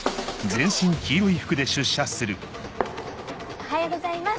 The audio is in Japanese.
おはようございます。